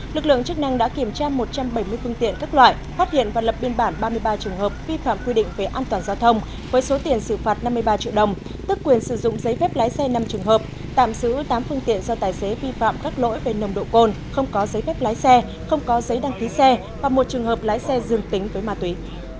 lực lượng chức năng đã kiểm tra một trăm bảy mươi phương tiện các loại phát hiện và lập biên bản ba mươi ba trường hợp vi phạm quy định về an toàn giao thông với số tiền xử phạt năm mươi ba triệu đồng tức quyền sử dụng giấy phép lái xe năm trường hợp tạm giữ tám phương tiện do tài xế vi phạm các lỗi về nồng độ cồn không có giấy phép lái xe không có giấy đăng ký xe và một trường hợp lái xe dương tính với ma túy